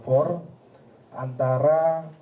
antara proyektil yang kita ambil